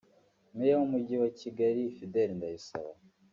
Mayor w’umujyi wa Kigali Fidele Ndayisaba